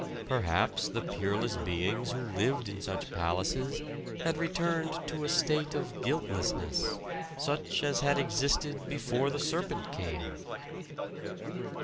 Perhaps the peerless beings who lived in such palaces had returned to a state of guiltlessness, such as had existed before the serpent came.